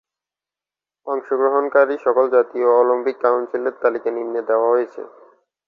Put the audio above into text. অংশগ্রহণকারী সকল জাতীয় অলিম্পিক কাউন্সিলের তালিকা নিম্নে দেয়া হয়েছে।